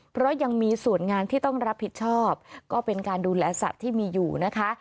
เพราะยังมีส่วนงานที่ต้องรับผิดชอบก็เป็นการดูแลสัตว์ที่มีอยู่นะคะ